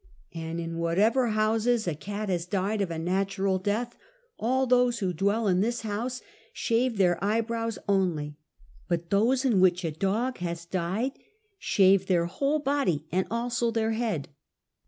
And in whatever houses a cat has died by a natural death, all those who dwell in this house shave their eyebrows only, but those in which a dog has died shave their whole body and also their head.